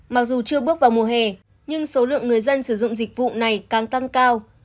mặc dù chưa bước vào mùa hè nhưng số lượng người dân sử dụng dịch vụ này càng tăng cao